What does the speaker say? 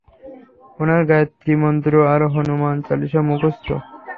উনার গায়েত্রী মন্ত্র আর হনুমান চালিসা মুখস্ত।